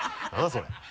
それ。